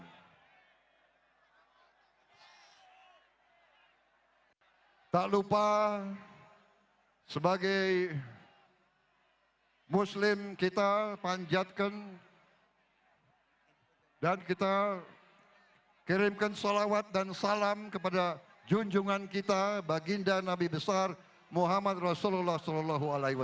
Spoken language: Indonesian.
dan tak lupa sebagai muslim kita panjatkan dan kita kirimkan salawat dan salam kepada junjungan kita baginda nabi besar muhammad rasulullah saw